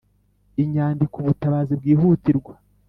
inyandiko”ubutabazi bwihutirwa”